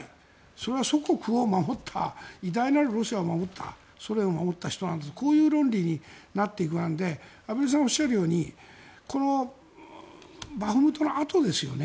それは祖国を守った偉大なるロシアを守ったソ連を守った人なんだとこういう論理になっていくので畔蒜さんがおっしゃるようにバフムトのあとですよね。